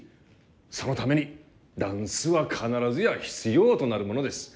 そのためにダンスは必ずや必要となるものです。